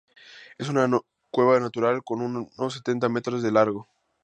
Es una cueva natural con unos sesenta metros de largo.